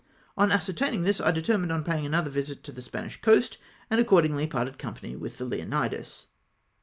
On ascertauiino; this, I determined on paying another visit to the Spanish coast, and accordmgly parted company with the Leonidas.